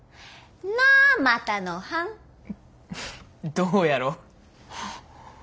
どうやろう？